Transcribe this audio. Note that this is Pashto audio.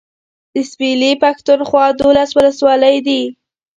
د سويلي پښتونخوا دولس اولسولۍ دي.